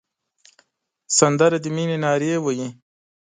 سندره د مینې نارې وهي